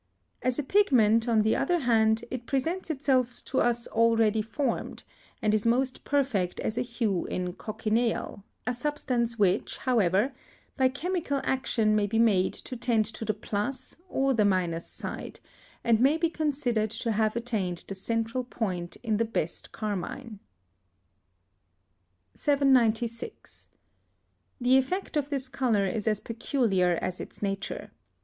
As a pigment, on the other hand, it presents itself to us already formed, and is most perfect as a hue in cochineal; a substance which, however, by chemical action may be made to tend to the plus or the minus side, and may be considered to have attained the central point in the best carmine. 796. The effect of this colour is as peculiar as its nature.